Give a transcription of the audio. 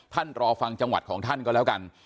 รอฟังจังหวัดของท่านก็แล้วกัน